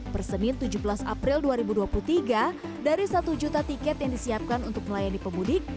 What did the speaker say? persenin tujuh belas april dua ribu dua puluh tiga dari satu juta tiket yang disiapkan untuk melayani pemudik